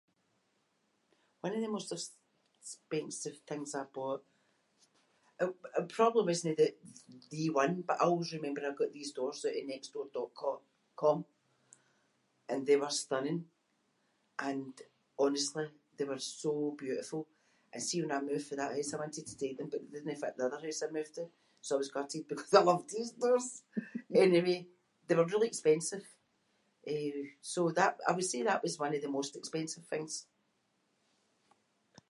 One of the most expensive things I bought- it- it probably wasnae the- the one but I always remember I got these doors oot of nextdoor.co- com and they were stunning and, honestly, they were so beautiful. And see when I moved fae that house, I wanted to take them but they didnae fit the other hoose I moved to, so I was gutted because I loved these doors! Anyway, they were really expensive, eh, so that- I would say that was one of the most expensive things.